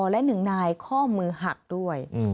และหนึ่งนายข้อมือหักด้วย